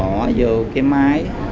bỏ vô cái máy